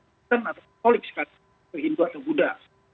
muslim atau apostolik sekalipun hindu atau buddha